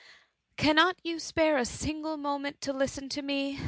'^ Cannot you spare a single moment to listen to me